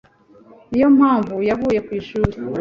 Niyo mpamvu yavuye ku ishuri.